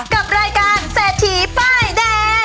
กับรายการเศรษฐีป้ายแดง